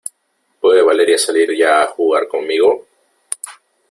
¿ puede Valeria salir ya a jugar conmigo ?